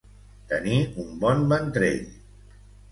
Tenir un bon ventrell.